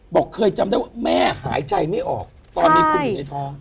เคยจำได้ว่าแม่หายใจไม่ออกตอนนี้คุณอยู่ในท้อง